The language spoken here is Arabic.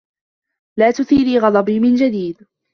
لا تثيري غضبي من جديد.